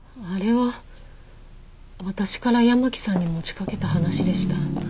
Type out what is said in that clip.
あれは私から山木さんに持ちかけた話でした。